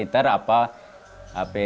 itu adalah apa